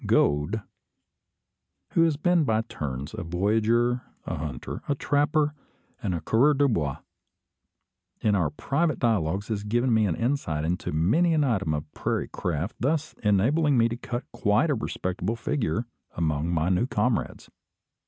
Gode, who has been by turns a voyageur, a hunter, a trapper, and a coureur du bois, in our private dialogues had given me an insight into many an item of prairie craft, thus enabling me to cut quite a respectable figure among my new comrades.